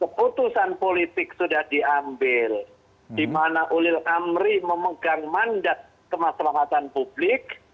keputusan politik sudah diambil di mana ulil amri memegang mandat kemaslahatan publik